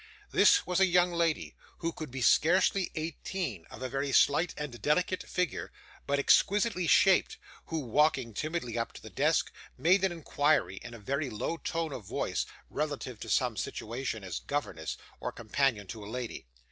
This was a young lady who could be scarcely eighteen, of very slight and delicate figure, but exquisitely shaped, who, walking timidly up to the desk, made an inquiry, in a very low tone of voice, relative to some situation as governess, or companion to a lady.